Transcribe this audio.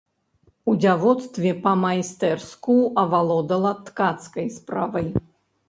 У дзявоцтве па-майстэрску авалодала ткацкай справай.